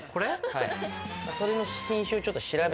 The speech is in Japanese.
はい。